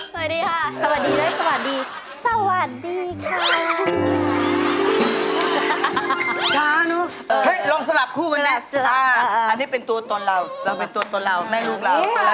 เฮ่ยลองสลับคู่กันหน่อยอ่าอันนี้เป็นตัวตนเราเราเป็นตัวตนเราแม่ลูกเรา